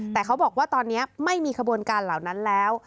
แต่เขาบอกว่าตอนนี้ไม่มีขบวนการเหล่านั้นแล้ว